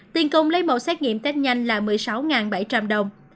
tiền công lấy mẫu xét nghiệm tết nhanh là một mươi sáu bảy trăm linh đồng